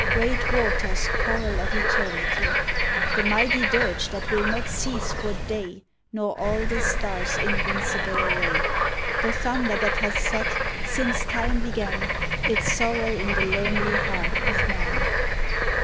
Great waters choral of eternity, — 10 DUANDON The mighty dirge that will not cease for day Nor all the stars' invincible array, — The thunder that hath set, since Time began, Its sorrow in the lonely heart of man.